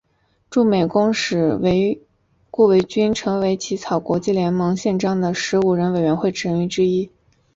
驻美公使顾维钧成为起草国际联盟宪章的十五人委员会成员之一。